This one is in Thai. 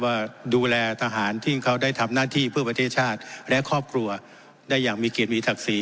ว่าดูแลทหารที่เขาได้ทำหน้าที่เพื่อประเทศชาติและครอบครัวได้อย่างมีเกียรติมีศักดิ์ศรี